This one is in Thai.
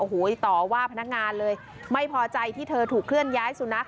โอ้โหต่อว่าพนักงานเลยไม่พอใจที่เธอถูกเคลื่อนย้ายสุนัข